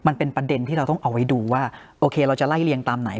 มันเป็นประเด็นที่เราต้องเอาไว้ดูว่าโอเคเราจะไล่เรียงตามไหน